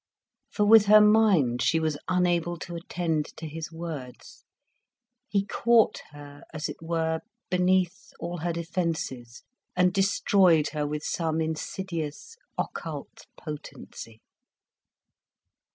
For with her mind she was unable to attend to his words, he caught her, as it were, beneath all her defences, and destroyed her with some insidious occult potency.